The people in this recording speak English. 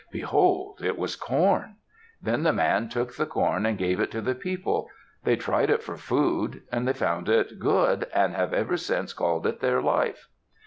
Behold! It was corn. Then the man took the corn, and gave it to the people. They tried it for food. They found it good, and have ever since called it their life.